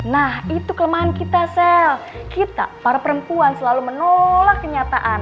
nah itu kelemahan kita sel kita para perempuan selalu menolak kenyataan